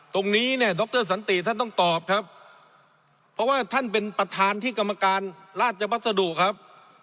ตรงนี้เนี่ยดรสันติท่านต้องตอบครับเพราะว่าท่านเป็นประธานที่กรรมการราชบัสดุครับ